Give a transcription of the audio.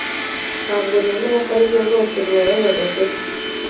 Ntabwo nemera ko aribyo rwose bibabaza Gatete.